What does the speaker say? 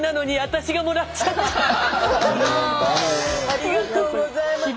ありがとうございます。